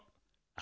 あ？